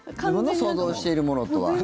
自分の想像しているものとは。